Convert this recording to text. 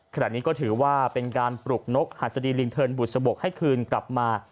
ขณะนี้ก็ถือว่าเป็นการปลุกนกหัสดีลิงเทินบุษบกให้คืนกลับมา